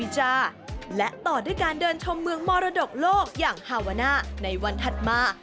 จากโลกอย่างฮาวนาในวันถัดมา